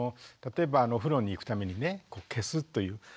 例えばお風呂に行くためにね消すという。